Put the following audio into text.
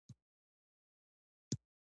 که هنداره تت وي نو تصویر نه ښکاري.